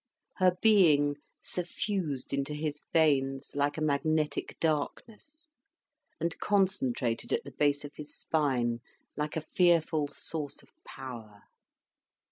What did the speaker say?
Her being suffused into his veins like a magnetic darkness, and concentrated at the base of his spine like a fearful source of power.